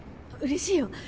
うれしいよ。